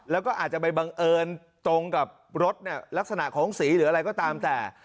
แล้วก็อาจจะไปบังเอิญตรงกับรถลักษณะของสีหรืออะไรก็ตามแต่